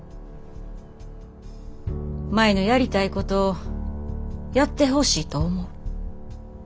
舞のやりたいことやってほしいと思う。